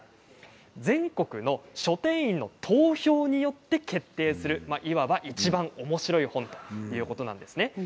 全国の書店員の投票によって決定するいわば、いちばんおもしろい本ということなんですね。